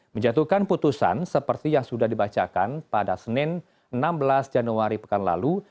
menjatuhkan putusan seperti yang sudah dibacakan pada senin enam belas januari pekan lalu